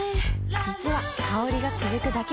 実は香りが続くだけじゃない